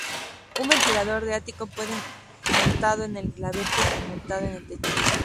Un ventilador de ático puede montado en el gablete o montado en el techo.